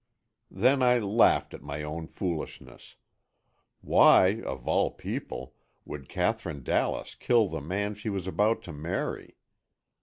Then I laughed at my own foolishness. Why, of all people, would Katherine Dallas kill the man she was about to marry?